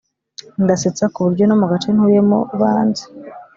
ndasetsa ku buryo no mu gace ntuyemo banzi